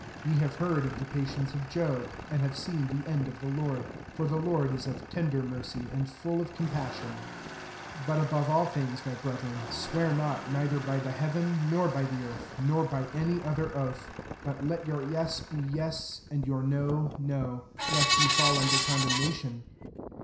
Ye have heard of the patience of Job, and have seen the end of the Lord ; for [^the Lord] is of tender mercy, and full of compassion. 12 But above all things, my brethren, swear not, neither by the heaven, nor by the earth, nor by any other oath : but let your yes be yes ; and your no, no ; lest ye fail under condem nation.